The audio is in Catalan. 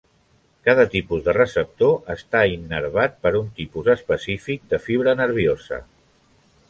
Cada tipus de receptor està innervat per un tipus específic de fibra nerviosa.